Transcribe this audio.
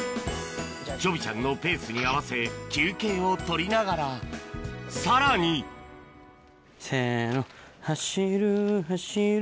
ちょびちゃんのペースに合わせ休憩を取りながらさらにせの。